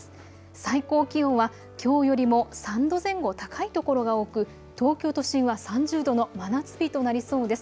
最高気温は、きょうよりも３度前後高い所が多く東京都心は３０度の真夏日となりそうです。